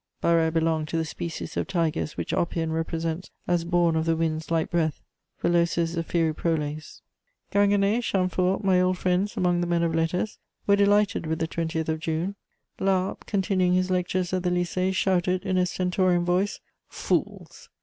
Barère belonged to the species of tigers which Oppian represents as born of the wind's light breath: velocis Zephyri proles. Ginguené, Chamfort, my old friends among the men of letters, were delighted with the 20th of June. La Harpe, continuing his lectures at the Lycée, shouted in a stentorian voice: "Fools!